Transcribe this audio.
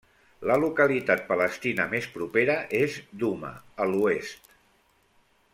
La localitat palestina més propera és Duma a l'oest.